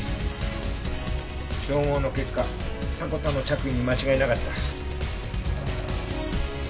照合の結果迫田の着衣に間違いなかった。